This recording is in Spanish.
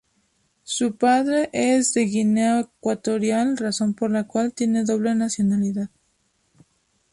Su padre es de Guinea Ecuatorial, razón por la cual tiene doble nacionalidad.